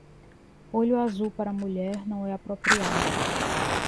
Olho azul para mulher não é apropriado.